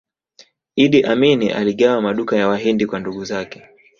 iddi amini aligawa maduka ya wahindi kwa ndugu zake